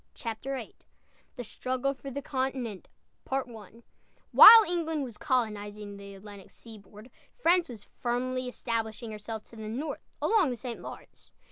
CHAPTER VIII THE STRUGGLE FOR THE CONTINENT While England was colonizing the Atlantic seaboard, France was firmly establishing herself to the north along the St. Lawrence.